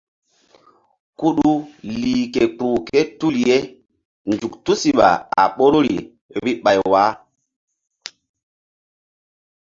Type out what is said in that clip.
Kuɗu lih ke kpuh ké tul ye zuk tusiɓa a ɓoruri vbi ɓay wah.